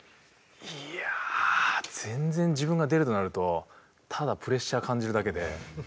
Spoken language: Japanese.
いや全然自分が出るとなるとただプレッシャー感じるだけで。